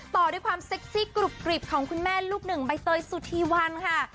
ต่อด้วยความเซ็กซี่กรุบกริบของคุณแม่ลูกหนึ่งใบเตยสุธีวันค่ะ